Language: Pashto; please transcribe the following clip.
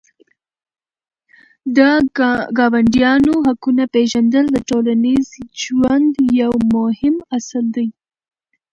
د ګاونډیانو حقونه پېژندل د ټولنیز ژوند یو مهم اصل دی.